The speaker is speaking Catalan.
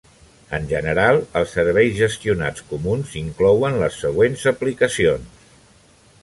En general, els serveis gestionats comuns inclouen les següents aplicacions.